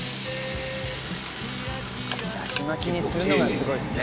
だし巻きにするのがすごいですね。